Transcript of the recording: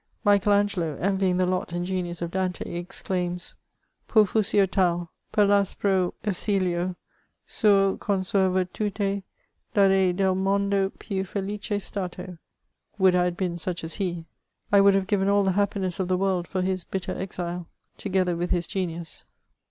Michael Angelo, envying the lot and genius of Dante, exclaims :— «Piirfas8'iotal .... Per I'aspro esilio suo con sua virtate Darel del mondo piii felice stata" " Would I had been such as he ! I would have given all the happiness of the world for his bitter exile, togetaer with his genius